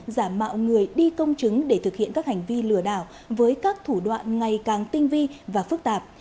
giả mạo người đi công chứng để thực hiện các hành vi lừa đảo với các thủ đoạn ngày càng tinh vi và phức tạp